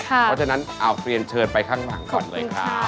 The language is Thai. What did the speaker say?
เพราะฉะนั้นเอาเรียนเชิญไปข้างหลังก่อนเลยครับ